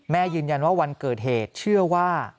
ยืนยันว่าวันเกิดเหตุเชื่อว่า